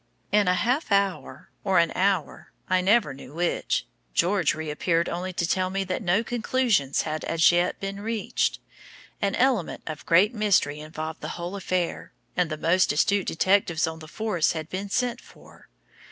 In a half hour or an hour I never knew which George reappeared only to tell me that no conclusions had as yet been reached; an element of great mystery involved the whole affair, and the most astute detectives on the force had been sent for.